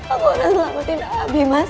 aku mau selamatin abi mas